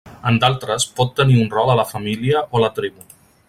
En d'altres, pot tenir un rol a la família o a la tribu.